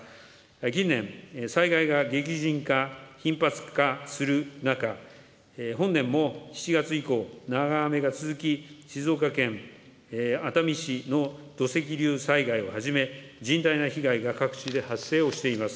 近年、災害が激甚化、頻発化する中、本年も７月以降、長雨が続き、静岡県熱海市の土石流災害をはじめ、甚大な被害が各地で発生をしています。